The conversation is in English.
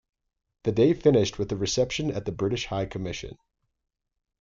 The day finished with a reception at the British High Commission.